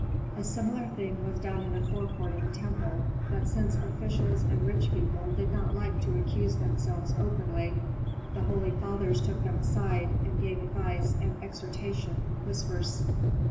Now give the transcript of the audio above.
A similar thing was done in the forecourt of the temple. But since officials and rich people did not like to accuse themselves openly, the holy fathers took them aside, and gave advice and exhortation in whispers.